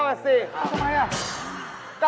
หมดแล้วสิทำไมล่ะ